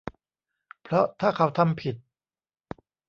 เพราะถ้าเขาทำผิด